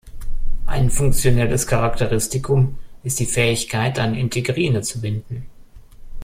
Ein funktionelles Charakteristikum ist die Fähigkeit, an Integrine zu binden.